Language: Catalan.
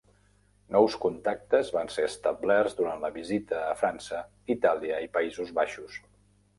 Nous contactes van ser establerts durant la visita a França, Itàlia i Països Baixos.